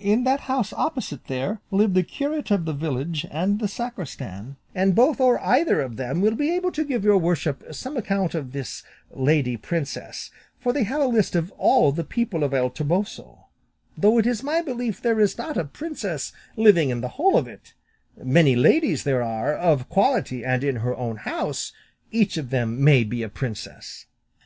In that house opposite there live the curate of the village and the sacristan, and both or either of them will be able to give your worship some account of this lady princess, for they have a list of all the people of El Toboso; though it is my belief there is not a princess living in the whole of it; many ladies there are, of quality, and in her own house each of them may be a princess."